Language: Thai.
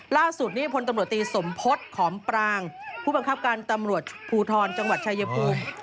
ล่าสุดนี้พลตำรวจตีสมพฤษขอมปรางผู้บังคับการตำรวจภูทรจังหวัดชายภูมิ